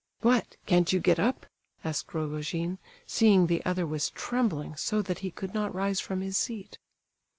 What! can't you get up?" asked Rogojin, seeing the other was trembling so that he could not rise from his seat.